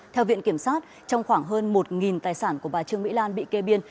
theo viện kiểm sát trong khoảng hơn một tài sản của bà trương mỹ lan bị kê biên